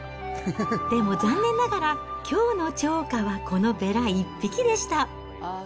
でも残念ながら、きょうの釣果はこのベラ１匹でした。